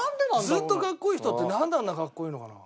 ずっとかっこいい人ってなんであんなかっこいいのかな？